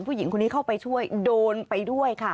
ผู้หญิงคนนี้เข้าไปช่วยโดนไปด้วยค่ะ